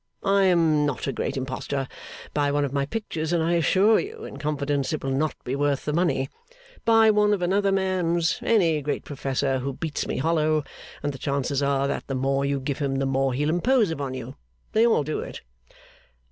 I am not a great impostor. Buy one of my pictures, and I assure you, in confidence, it will not be worth the money. Buy one of another man's any great professor who beats me hollow and the chances are that the more you give him, the more he'll impose upon you. They all do it.